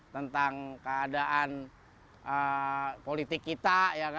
tentang keadaan politik kita